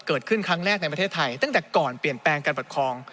เกิดขึ้นครั้งแรกในประเทศไทยตั้งแต่ก่อนเปลี่ยนแปลงการปกครอง